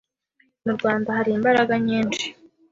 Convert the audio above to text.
Mu Rwanda hari imbaraga nyinshi